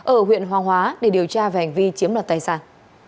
ở huyện hoàng hóa để điều tra về hành vi chiếm đoạt tài sản